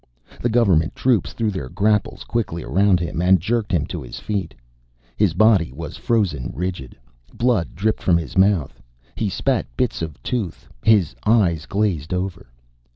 The Government troops threw their grapples quickly around him and jerked him to his feet. His body was frozen rigid. Blood dripped from his mouth. He spat bits of tooth, his eyes glazed over.